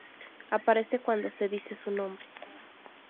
Aparece cuando se dice su nombre.